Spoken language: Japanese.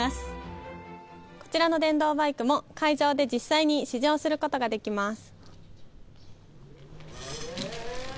こちらの電動バイクも会場で実際に試乗することができます。